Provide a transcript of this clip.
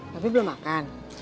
tapi belum makan